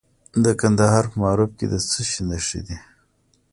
د کندهار په معروف کې د څه شي نښې دي؟